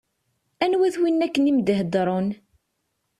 Anwa-t win akken i m-d-iheddṛen?